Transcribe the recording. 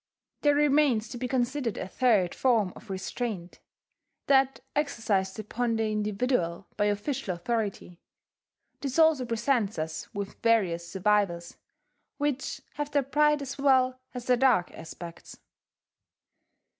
There remains to be considered a third form of restraint, that exercised upon the individual by official authority. This also presents us with various survivals, which have their bright as well as their dark aspects.